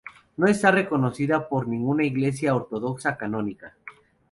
No está reconocida por ninguna Iglesia ortodoxa canónica.